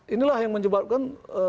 inilah yang menyebabkan